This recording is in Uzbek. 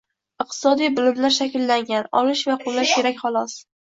iqtisodiy bilimlar shakllangan – olish va qo‘llash kerak, xolos.